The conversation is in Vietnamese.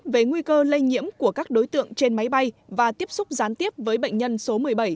về nguy cơ lây nhiễm của các đối tượng trên máy bay và tiếp xúc gián tiếp với bệnh nhân số một mươi bảy